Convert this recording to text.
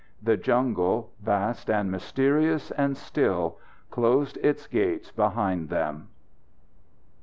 The jungle, vast and mysterious and still, closed its gates behind them.